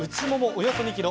およそ２ｋｇ。